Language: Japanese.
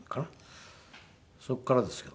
そこからですけど。